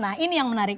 nah ini yang menarik